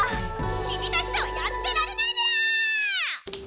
きみたちとはやってられないメラ！